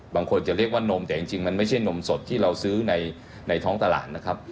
บางคนจะเรียกว่านมแต่จริงมันไม่ใช่นมสดที่เราซื้อในท้องตลาดนะครับ